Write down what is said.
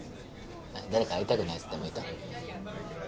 誰か会いたくない奴でもいた？